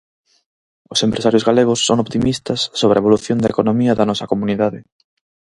Os empresarios galegos son optimistas sobre a evolución da economía da nosa comunidade.